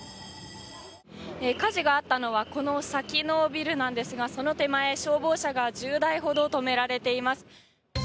火事があったのはこの先のビルなんですがその手前、消防車が１０台ほど止められています。